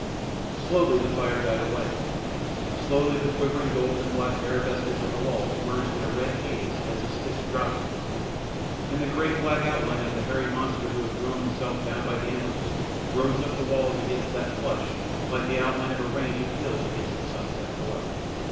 Slowly the fire died away; slowly the quivering gold and black arabesques on the walls merged in a red haze as the sticks dropped into tinder, and the great black outline of the hairy monster who had thrown himself down by the embers rose up the walls against that flush like the outline of a range of hills against a sunset glow.